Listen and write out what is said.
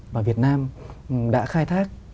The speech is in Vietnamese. và việt nam đã khai thác